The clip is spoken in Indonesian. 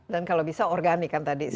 dan kalau bisa organik kan tadi